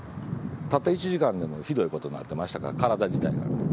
たった１時間でもひどいことになってましたから、体自体が。